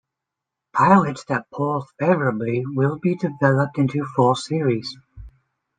Pilots that poll favourably will be developed into full series.